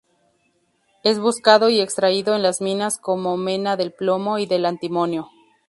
Es buscado y extraído en las minas como mena del plomo y del antimonio.